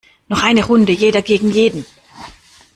Noch eine Runde jeder gegen jeden!